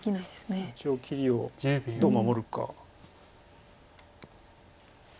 切りをどう守るか。